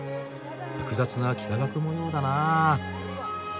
複雑な幾何学模様だな。